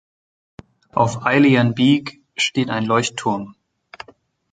Auf Eilean Beag steht ein Leuchtturm.